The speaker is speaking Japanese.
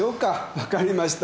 分かりました。